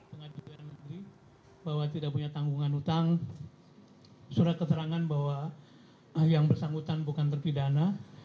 pemirsa kami ajak anda bahwa tidak punya tanggungan hutang surat keterangan bahwa yang bersangkutan bukan terpidana